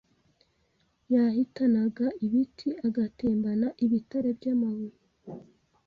Yahitanaga ibiti agatembana ibitare by’amabuye